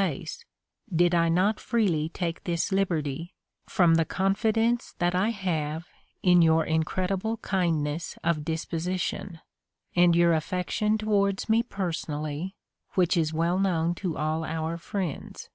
place, did I not freely take this liberty, from tlie confidence that I have in your incredible kindness of disposition, and your affection towards me personally, which is well known to all our friends.